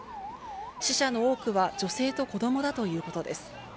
死者の多くは女性と子供だということです。